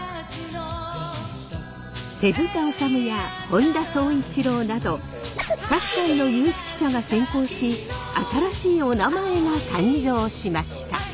手治虫や本田宗一郎など各界の有識者が選考し新しいおなまえが誕生しました。